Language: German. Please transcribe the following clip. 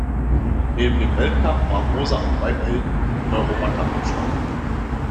Neben dem Weltcup war Moser auch weiterhin im Europacup am Start.